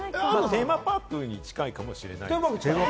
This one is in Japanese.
テーマパークに近いかもしれない。